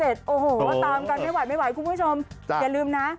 โอ้โหตามกันไม่ไหวไม่ไหวคุณผู้ชมอย่าลืมนะ